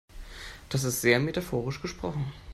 Das ist sehr metaphorisch gesprochen.